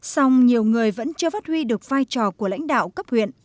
song nhiều người vẫn chưa phát huy được vai trò của lãnh đạo cấp huyện